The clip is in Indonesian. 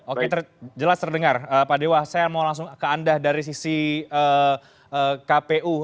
oke jelas terdengar pak dewa saya mau langsung ke anda dari sisi kpu